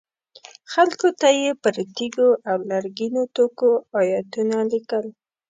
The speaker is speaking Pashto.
خلکو ته یې پر تیږو او لرګینو توکو ایتونه لیکل.